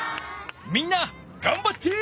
みんながんばって！